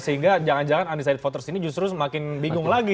sehingga jangan jangan undecided voters ini justru semakin bingung lagi